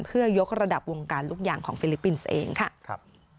เพื่อยกระดับวงการลูกยางของฟิลิปปินส์เองค่ะ